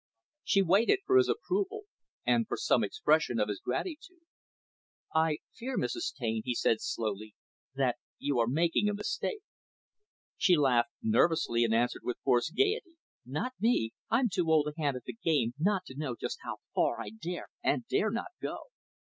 She waited for his approval, and for some expression of his gratitude. "I fear, Mrs. Taine," he said slowly, "that you are making a mistake." She laughed nervously, and answered with forced gaiety. "Not me. I'm too old a hand at the game not to know just how far I dare or dare not go."